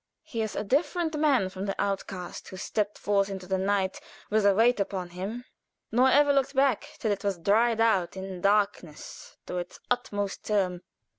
He is a different man from the outcast who stepped forth into the night with a weird upon him, nor ever looked back till it was dreed out in darkness to its utmost term.